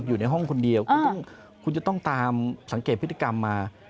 อยู่ในห้องคนเดียวคุณจะต้องตามสังเกตพฤติกรรมมา